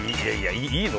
いいの？